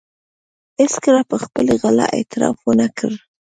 هېڅکله پر خپلې غلا اعتراف و نه کړ.